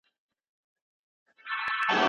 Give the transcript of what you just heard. علي او ذوالفقار یې زولنو کې را ایسار کړل